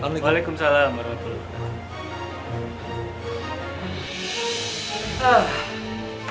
waalaikumsalam warahmatullahi wabarakatuh